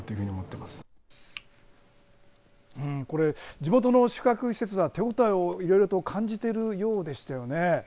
地元の宿泊施設は手応えをいろいろと感じているようでしたよね。